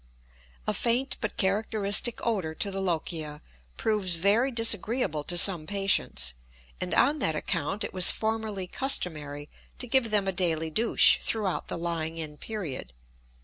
A faint but characteristic odor to the lochia proves very disagreeable to some patients, and on that account it was formerly customary to give them a daily douche throughout the lying in period.